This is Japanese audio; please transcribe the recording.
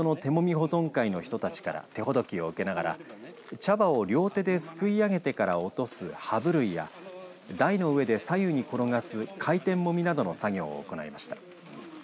保存会人たちから手ほどきを受けながら茶葉を両手ですくい上げてから落とす、葉ぶるいや台の上で左右に転がす回転もみなどの作業を行いました。